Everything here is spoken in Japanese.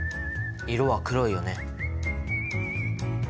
色は黒いよね。